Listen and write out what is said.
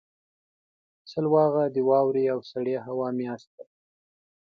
سلواغه د واورې او سړې هوا میاشت ده.